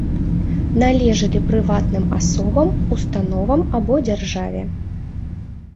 Належалі прыватным асобам, установам або дзяржаве.